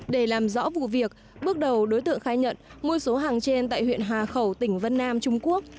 để làm rõ vụ việc bước đầu đối tượng khai nhận mua số hàng trên tại huyện hà khẩu tỉnh vân nam trung quốc